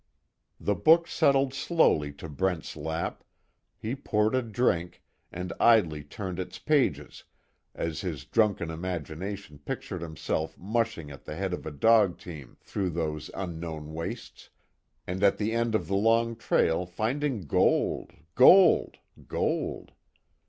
The book settled slowly to Brent's lap, he poured a drink, and idly turned its pages, as his drunken imagination pictured himself mushing at the head of a dog team through those unknown wastes, and at the end of the long trail finding gold, gold, gold.